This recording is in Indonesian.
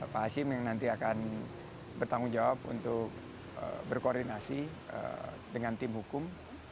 pak hasim yang nanti akan bertanggung jawab untuk berkoordinasi dengan tim hukum